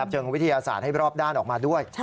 เชิงวิทยาศาสตร์ให้รอบด้านออกมาด้วย